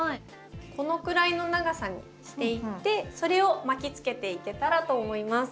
このくらいの長さにしていってそれを巻きつけていけたらと思います。